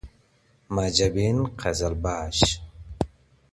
ماجبین قزلباش